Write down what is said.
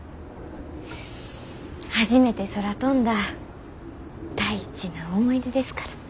初めて空飛んだ大事な思い出ですから。